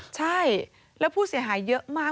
ใช่แล้วผู้เสียหายเยอะมาก